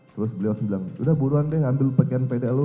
terus beliau bilang udah buruan deh ambil pakaian pdl lu